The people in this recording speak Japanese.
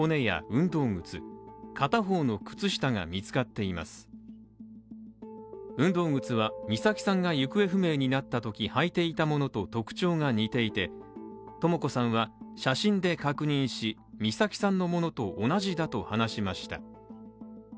運動靴は美咲さんが行方不明になったとき履いていたものと特徴が似ていて、とも子さんは写真で確認し、美咲さんのものと同じだと話しました。